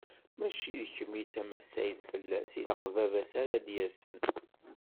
Mačči d kemm i d tamassayt fell-as, ilaq d baba-s ara d-yasen.